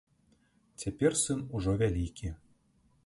Цяпер сын ужо вялікі.